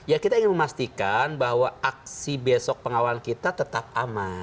ya kita ingin memastikan bahwa aksi besok pengawalan kita tetap aman